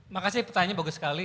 makasih pertanyaan bagus sekali